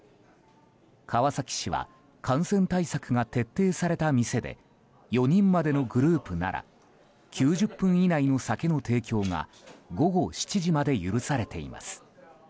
川崎市では感染対策が徹底された店で４人までのグループなら９０分以内の酒の提供が午後７時まで許されています。